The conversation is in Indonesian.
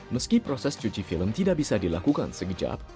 meski proses cuci film tidak bisa dilakukan sekejap